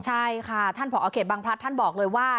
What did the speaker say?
ใช่ค่ะท่านผอเขตบางพลัดท่านบอกเลยว่า